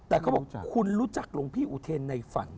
แต่เขาบอกคุณรู้จักหลวงพี่อุเทนในฝัน